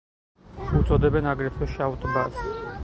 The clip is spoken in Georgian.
უწოდებენ აგრეთვე „შავ ტბას“.